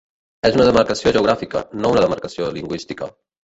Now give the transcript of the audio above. És una demarcació geogràfica, no una demarcació lingüística.